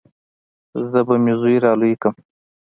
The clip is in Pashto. زه به مې زوى رالوى کم.